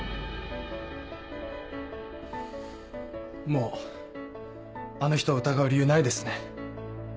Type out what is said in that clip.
もうあの人を疑う理由ないですね。